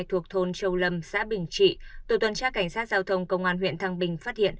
thuộc thôn châu lâm xã bình trị tổ tuần tra cảnh sát giao thông công an huyện thăng bình phát hiện